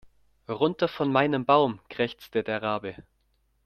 "Runter von meinem Baum", krächzte der Rabe.